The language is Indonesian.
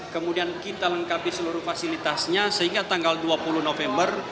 kemudian kita lengkapi seluruh fasilitasnya sehingga tanggal dua puluh november